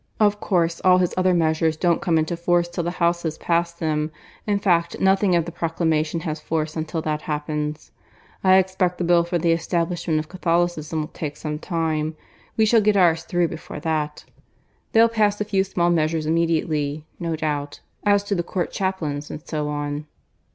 Of course, all his other measures don't come into force till the Houses pass them. In fact, nothing of the Proclamation has force until that happens. I expect the Bill for the Establishment of Catholicism will take some time. We shall get ours through before that. They'll pass a few small measures immediately, no doubt as to the Court chaplains and so on."